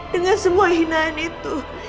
dengan semua hinaan itu